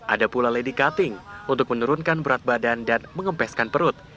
ada pula lady cutting untuk menurunkan berat badan dan mengempeskan perut